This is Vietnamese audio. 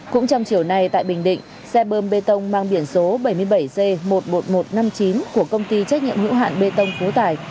cũng trong chiều nay tại bình định xe bơm bê tông mang biển số bảy mươi bảy g một mươi một nghìn một trăm năm mươi chín của công ty trách nhiệm hữu hạn bê tông phú tài